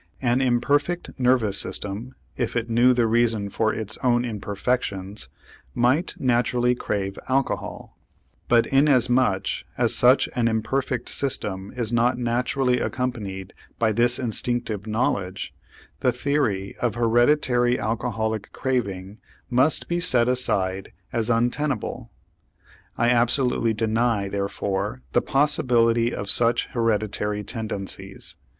An imperfect nervous system, if it knew the reason for its own imperfections, might naturally crave alcohol; but inasmuch as such an imperfect system is not naturally accompanied by this instinctive knowledge, the theory of hereditary alcoholic craving must be set aside as untenable. I absolutely deny, therefore, the possibility of such hereditary tendencies.